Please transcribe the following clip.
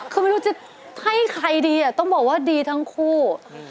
คือไม่รู้จะให้ใครดีต้องบอกว่าดีทั้งคู่